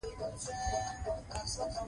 چې نن سبا مونږ د هغو استادانو له برکته